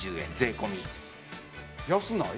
安ない？